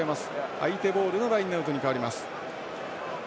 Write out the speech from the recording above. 相手ボールのラインアウトに変わります。